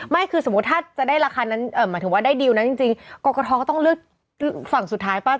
ไม่คือสมมุติถ้าจะได้ราคานั้นหมายถึงว่าได้ดิวนั้นจริงกรกฐก็ต้องเลือกฝั่งสุดท้ายป่ะ